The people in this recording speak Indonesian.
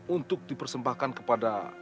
untuk dipersembahkan kepada